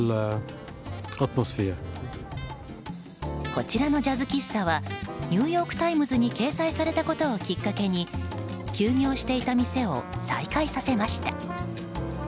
こちらのジャズ喫茶はニューヨーク・タイムズに掲載されたことをきっかけに休業していた店を再開させました。